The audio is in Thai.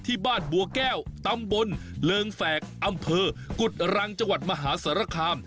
ที่บ้านบัวแก้วตำบลเริงแฝกอำเภอกุฎรังจังหวัดมหาสารคาม